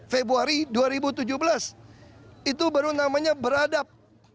februari dua ribu tujuh belas itu baru namanya beradab